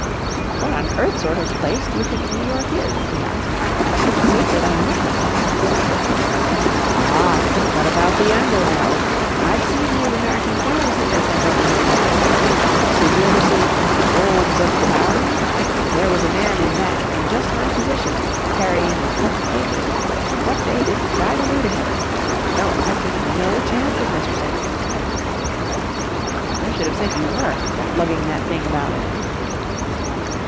"What on earth sort of place do you think New York is?" he asked. "It's safer than London." "Ah, but what about the Underworld? I've seen these American films that they send over here, Mr. Samuel. Did you ever see 'Wolves of the Bowery?' There was a man in that in just my position, carrying important papers, and what they didn't try to do to him! No, I'm taking no chances, Mr. Samuel!" "I should have said you were, lugging that thing about with you."